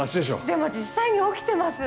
でも実際に起きてます。